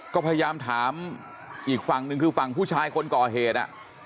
ก็พยายามถามอีกฝั่งหนึ่งคือฝั่งผู้ชายคนก่อเหตุ